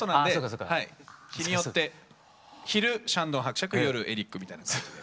日によって昼シャンドン伯爵夜エリックみたいな感じで。